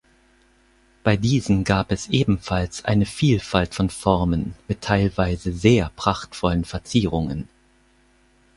Bei diesen gab es ebenfalls eine Vielfalt von Formen mit teilweise sehr prachtvollen Verzierungen.